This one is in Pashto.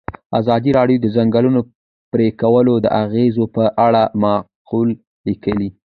ازادي راډیو د د ځنګلونو پرېکول د اغیزو په اړه مقالو لیکلي.